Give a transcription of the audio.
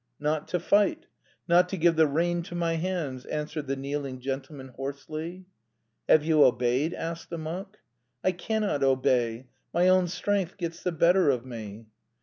"Not to fight; not to give the rein to my hands," answered the kneeling gentleman hoarsely. "Have you obeyed?" asked the monk. "I cannot obey. My own strength gets the better of me."